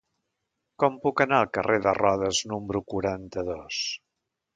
Com puc anar al carrer de Rodes número quaranta-dos?